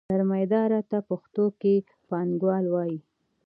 سرمایدار ته پښتو کې پانګوال وايي.